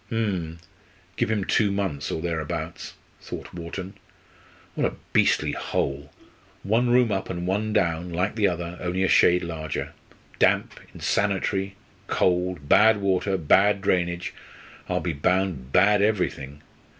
"Hm Give him two months or thereabouts!" thought Wharton. "What a beastly hole! one room up, and one down, like the other, only a shade larger. Damp, insanitary, cold bad water, bad drainage, I'll be bound bad everything.